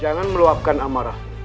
jangan meluapkan amarah